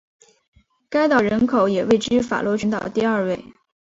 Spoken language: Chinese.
该岛人口也位居法罗群岛第二位。